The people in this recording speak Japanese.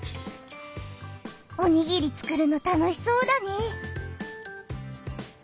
おにぎりつくるの楽しそうだね。